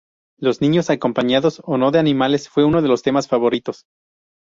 Los niños, acompañados o no de animales, fue uno de sus temas favoritos.